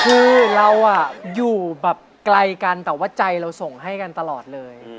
คือเราอยู่แบบไกลกันแต่ว่าใจเราส่งให้กันตลอดเลย